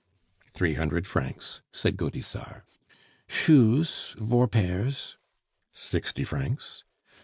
"Three hundred francs," said Gaudissart. "Shoes. Vour bairs." "Sixty francs."